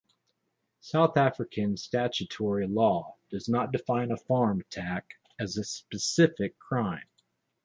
South African statutory law does not define a "farm attack" as a specific crime.